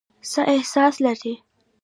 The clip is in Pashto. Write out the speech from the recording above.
څه احساس لرئ ؟